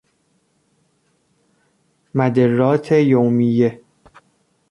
مدرات یومیه